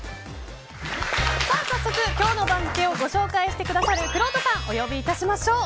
早速、今日の番付をご紹介してくださるくろうとさんお呼び致しましょう。